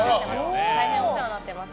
大変お世話になってます。